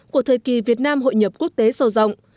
của thời kỳ việt nam hội nhập quốc tế sâu rộng